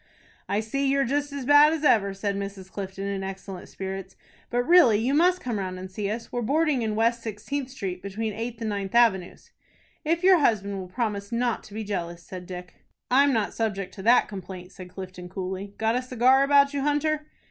"I see you're just as bad as ever," said Mrs. Clifton, in excellent spirits. "But really you must come round and see us. We are boarding in West Sixteenth Street, between Eighth and Ninth Avenues." "If your husband will promise not to be jealous," said Dick. "I'm not subject to that complaint," said Clifton, coolly. "Got a cigar about you, Hunter?"